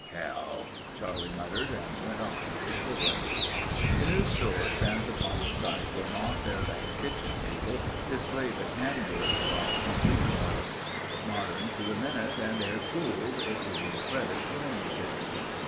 "Hell—" Charlie muttered, and went on with his whittling. The new store stands upon the site where Ma Fairbanks' kitchen table displayed the canned goods brought from Greenwater. Modern to the minute and air cooled it would be a credit to any city.